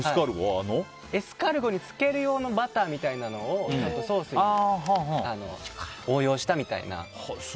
エスカルゴにつける用のバターみたいなのをソースに応用したみたいな。